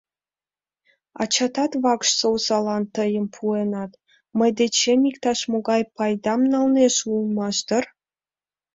Ачатат вакш озалан тыйым пуэнат, мый дечем иктаж-могай пайдам налнеже улмаш дыр?!